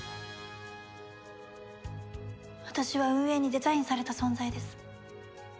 私は運営にデザインされた存在です。